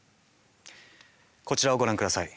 こちらをご覧ください。